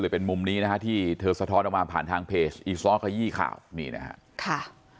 เป็นมุมนี้นะฮะที่เธอสะท้อนออกมาผ่านทางเพจอีซ้อขยี้ข่าวนี่นะฮะค่ะ